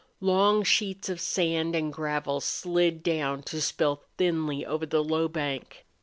Long sheets of sand and gravel slid down to spill thinly over the low bank.